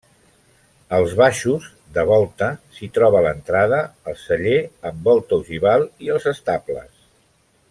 Als baixos, de volta, s'hi troba l'entrada, el celler amb volta ogival i els estables.